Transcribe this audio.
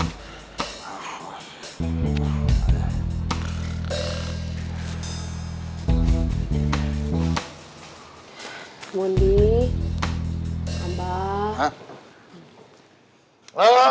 assalamualaikum warahmatullahi wabarakatuh